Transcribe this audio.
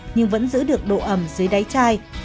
nhưng vẫn giữ được độ ẩm dưới đáy chai